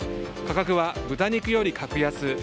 価格は豚肉より格安。